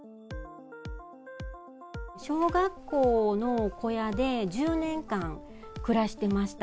小学校の小屋で、１０年間暮らしてました。